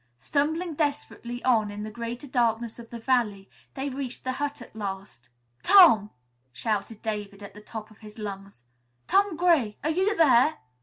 Stumbling desperately on in the greater darkness of the valley, they reached the hut at last. "Tom!" shouted David at the top of his lungs. "Tom Gray! Are you there?"